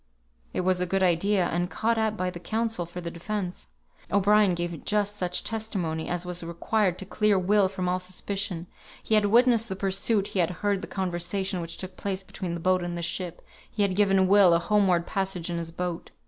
It was a good idea, and caught at by the counsel for the defence. O'Brien gave just such testimony as was required to clear Will from all suspicion. He had witnessed the pursuit, he had heard the conversation which took place between the boat and the ship; he had given Will a homeward passage in his boat.